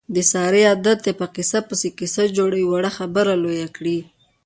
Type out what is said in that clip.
د سارې عادت دی، په قیصه پسې قیصه جوړوي. وړه خبره لویه کړي.